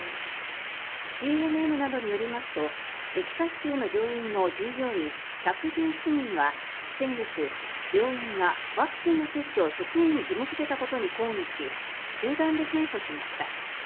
ＣＮＮなどによりますとテキサス州の病院の従業員１１７人は先月、病院がワクチンの接種を職員に義務付けたことに抗議し集団で提訴しました。